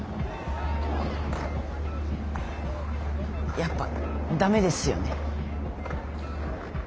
やっぱ駄目ですよね。